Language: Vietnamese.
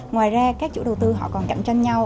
ngoài ra các chủ đầu tư còn canh tranh nhau